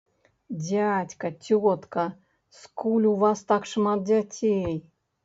Дзядзька, цётка, скуль у вас так шмат дзяцей?